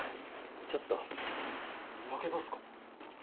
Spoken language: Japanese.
ちょっとやけどっすか？